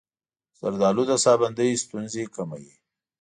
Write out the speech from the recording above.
زردآلو د ساه بندۍ ستونزې کموي.